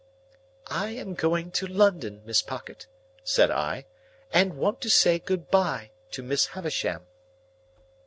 "I am going to London, Miss Pocket," said I, "and want to say good bye to Miss Havisham."